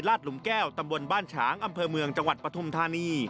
หลุมแก้วตำบลบ้านฉางอำเภอเมืองจังหวัดปฐุมธานี